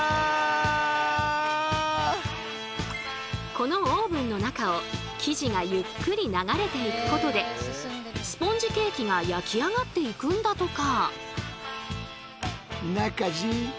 このオーブンの中を生地がゆっくり流れていくことでスポンジケーキが焼き上がっていくんだとか。